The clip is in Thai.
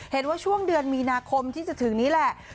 เห็นว่าช่วงเดือนมีนาคมที่จะถึงนี้แหละ